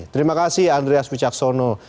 terima kasih andreas wicaksono